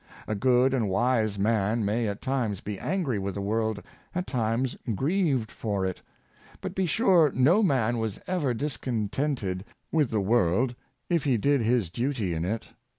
A good and wise man may at times be angry with the world, at times grieved for it; but be sure no man was ever discontented with the world if he did his dutv in it.